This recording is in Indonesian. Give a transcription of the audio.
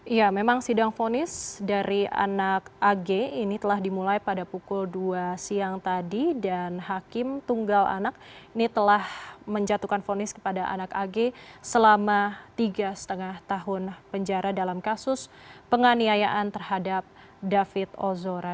iya memang sidang fonis dari anak ag ini telah dimulai pada pukul dua siang tadi dan hakim tunggal anak ini telah menjatuhkan fonis kepada anak ag selama tiga lima tahun penjara dalam kasus penganiayaan terhadap david ozora